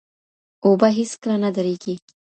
اوبه هېڅکله نه دریږي.